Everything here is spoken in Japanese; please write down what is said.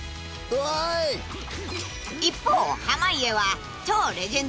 ［一方濱家は］